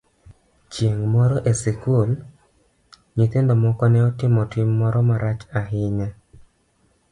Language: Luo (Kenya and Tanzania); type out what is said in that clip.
Chieng' moro e skul, nyithindo moko ne otimo tim moro marach ahinya.